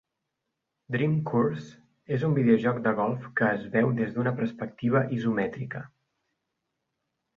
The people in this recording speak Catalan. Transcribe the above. "Dream Course" és un videojoc de golf que es veu des d'una perspectiva isomètrica.